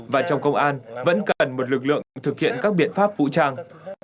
và trong công an vẫn cần một lực lượng thực hiện các biện pháp vũ trang